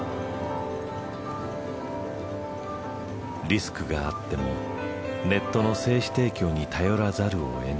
リスクがあってもネットの精子提供に頼らざるを得ない。